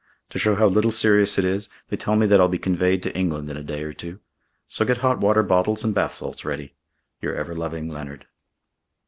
To show how little serious it is, they tell me that I'll be conveyed to England in a day or two. So get hot water bottles and bath salts ready. "Your ever loving Leonard."